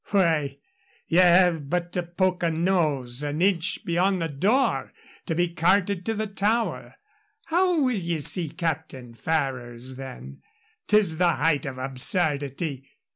"Why, ye have but to poke a nose an inch beyond the door to be carted to the Tower. How will ye see Captain Ferrers, then? 'Tis the height of absurdity.